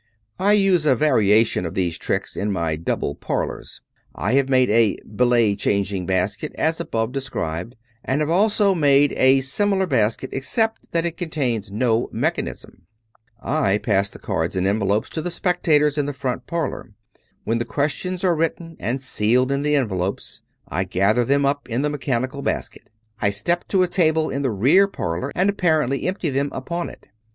I use a variation of these tricks in my double parlors. I have made a ''billet changing basket" as above de* scribed, and have also made a similar basket except that it contains no mechanism. I pass cards and envelopes to the spectators in the front parlor. When the questions are written and sealed in the envelopes, I gather them up in the mechanical basket; I step to a table in the rear parlor and apparently empty them upon it.